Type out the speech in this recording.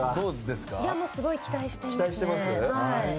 すごい期待してますね。